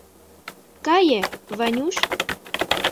— Кае, Ванюш!